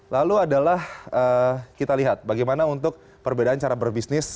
lalu adalah kita lihat bagaimana untuk perbedaan cara berbisnis